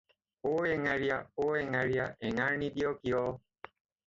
“অ’ এঙাৰীয়া, অ’ এঙাৰীয়া এঙাৰ নিদিয় কিয়?”